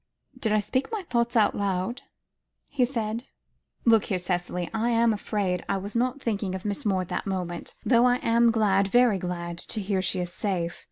"Did I speak my thoughts aloud?" he said; "look here, Cicely, I am afraid I was not thinking of Miss Moore at that moment, though I am glad, very glad, to hear she is safe.